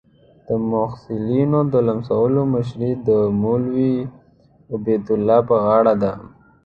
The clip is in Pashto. د محصلینو د لمسولو مشري د مولوي عبیدالله پر غاړه ده.